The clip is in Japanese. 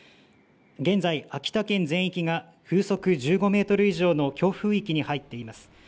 現在、秋田県全域が風速１５メートル以上の強風域に入っています。